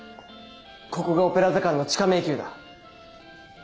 ここがオペラ座館の地下迷宮だ。